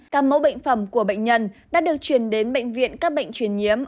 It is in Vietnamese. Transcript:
các mẫu bệnh phẩm của bệnh nhân đã được chuyển đến bệnh viện các bệnh truyền nhiễm